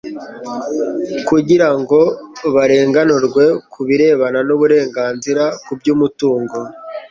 kugira ngo barenganurwe ku birebana n'uburenganzira ku by'umutungo